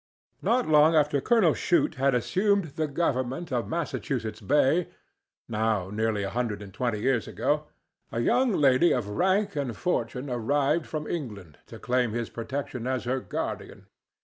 Not long after Colonel Shute had assumed the government of Massachusetts Bay—now nearly a hundred and twenty years ago—a young lady of rank and fortune arrived from England to claim his protection as her guardian.